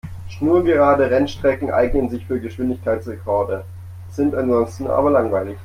Schnurgerade Rennstrecken eignen sich für Geschwindigkeitsrekorde, sind ansonsten aber langweilig.